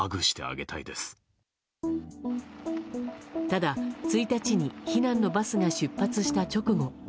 ただ、１日に避難のバスが出発した直後